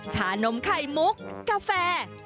ชานมไข่มุกกาแฟ